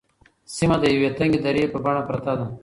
سیمه د یوې تنگې درې په بڼه پرته ده.